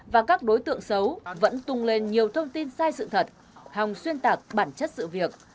và các đối tượng xấu vẫn tung lên nhiều thông tin sai sự thật hòng xuyên tạc bản chất sự việc